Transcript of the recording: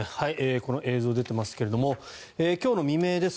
この映像、出てますが今日の未明です。